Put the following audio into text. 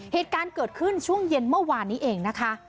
เหตุการณ์เกิดขึ้นช่วงเย็นเมื่อวานนี้เองนะคะ